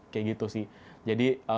kayak gitu sih jadi